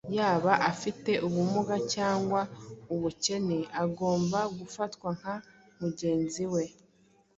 yaba abafite ubumuga cyangwa ubukene agomba gufatwa nka mugenzi we